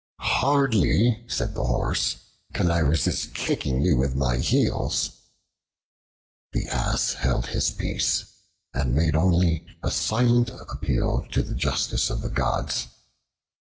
"Hardly," said the Horse, "can I resist kicking you with my heels." The Ass held his peace, and made only a silent appeal to the justice of the gods.